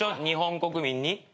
日本国民に。